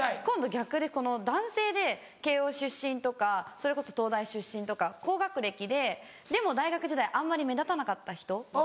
今度逆で男性で慶應出身とかそれこそ東大出身とか高学歴ででも大学時代あんまり目立たなかった人。